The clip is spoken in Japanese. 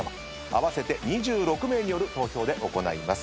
合わせて２６名による投票で行います。